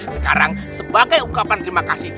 sekarang sebagai ungkapan terima kasih